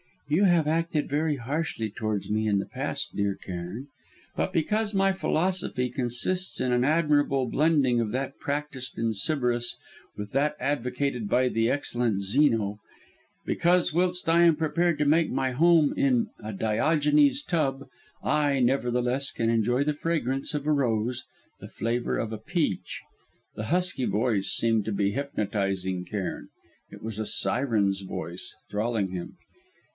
"You have acted very harshly towards me in the past, dear Cairn; but because my philosophy consists in an admirable blending of that practised in Sybaris with that advocated by the excellent Zeno; because whilst I am prepared to make my home in a Diogenes' tub, I, nevertheless, can enjoy the fragrance of a rose, the flavour of a peach " The husky voice seemed to be hypnotising Cairn; it was a siren's voice, thralling him.